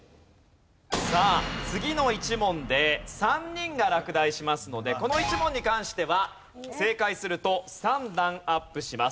さあ次の１問で３人が落第しますのでこの１問に関しては正解すると３段アップします。